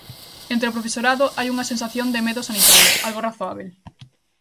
Entre o profesorado hai unha sensación de medo sanitario, algo razoábel.